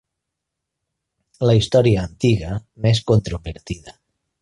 La història antiga n'és controvertida.